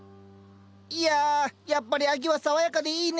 いややっぱり秋は爽やかでいいね。